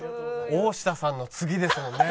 大下さんの次ですもんね。